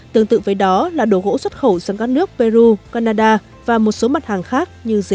tương tự với đó là đồ gỗ xuất khẩu sang các nước peru canada và một số mặt hàng khác như dệt may